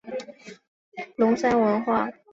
其后发展为龙山文化。